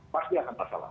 pasti akan masalah